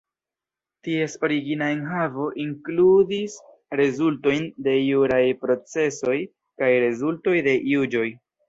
Ties origina enhavo inkludis rezultojn de juraj procesoj kaj rezultoj de juĝoj.